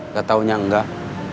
gatau nya enggak